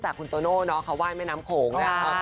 คุณโตโน่เขาว่ายแม่น้ำโขง